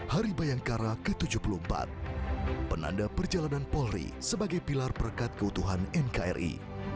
hari bayangkara ke tujuh puluh empat penanda perjalanan polri sebagai pilar perekat keutuhan nkri